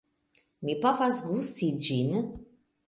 Mi povas gusti ĝin.